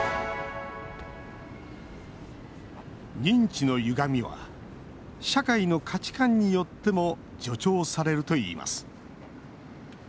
認知の歪みは社会の価値観によっても助長されるといいます。